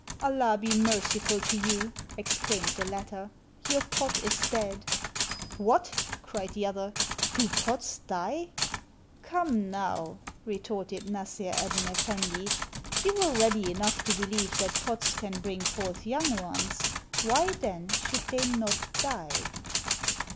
"Allah be merciful to you!" exclaimed the latter, "your pot is dead." "What!" cried the other, "do pots die?" "Come, now," retorted Nassr Eddyn Eflfendi, "you were ready enough to beheve that pots can bring forth young ones; why, then, should they not die?"